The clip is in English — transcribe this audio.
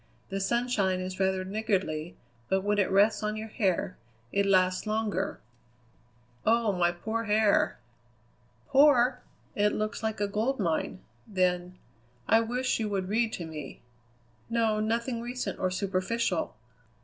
"The sunshine is rather niggardly, but when it rests on your hair it lasts longer." "Oh, my poor hair!" "Poor? It looks like a gold mine." Then: "I wish you would read to me. No; nothing recent or superficial.